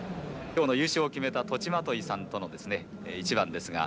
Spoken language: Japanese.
きょうの優勝を決めた栃纏さんとの一番ですが。